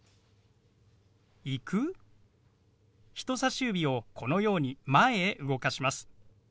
人さし指をこのように前へ動かします。